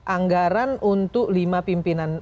anggaran untuk lima pimpinan